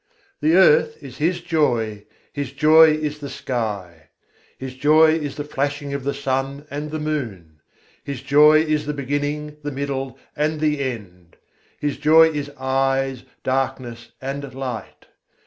The earth is His joy; His joy is the sky; His joy is the flashing of the sun and the moon; His joy is the beginning, the middle, and the end; His joy is eyes, darkness, and light.